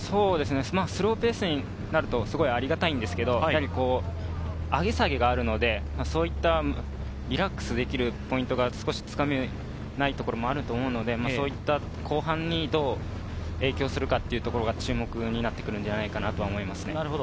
スローペースになるとありがたいんですけれど、上げ下げがあるので、リラックスできるポイントが少しつかめないところもあると思うので、後半にどう影響するか、注目になってくるのではないかと思います。